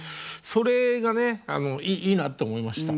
それがねいいなって思いました。